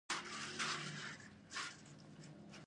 پنسل د طراحانو لپاره یو مهم وسیله ده.